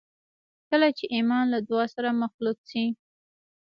کله چې ایمان له دعا سره مخلوط شي